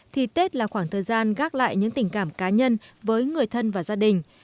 thì tết là khoảng thời gian gác lại những tình cảm cá nhân với người thân và gia đình